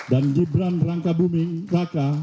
dan gibran raka buming raka